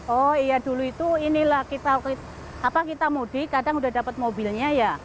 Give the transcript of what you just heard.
oh iya dulu itu inilah kita mudik kadang udah dapet mobilnya ya